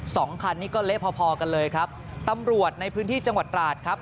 สองคันนี้ก็เละพอพอกันเลยครับตำรวจในพื้นที่จังหวัดตราดครับ